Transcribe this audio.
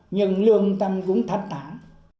nhưng lương tâm cũng thanh thản